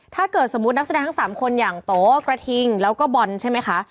ถ้าเกิดสมมุตินักแสดงทั้ง๓คนอย่างโตกระทิงแล้วก็บอลใช่ไหมคะ